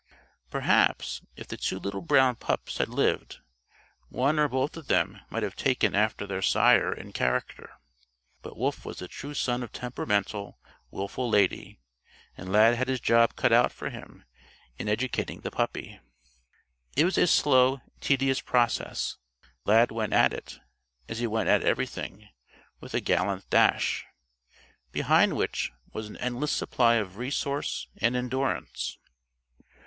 Perhaps if the two little brown pups had lived, one or both of them might have taken after their sire in character. But Wolf was the true son of temperamental, wilful Lady, and Lad had his job cut out for him in educating the puppy. It was a slow, tedious process. Lad went at it, as he went at everything with a gallant dash, behind which was an endless supply of resource and endurance.